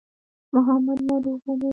محمد ناروغه دی.